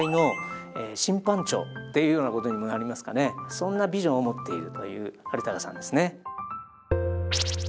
そんなビジョンを持っているというはるたかさんですね。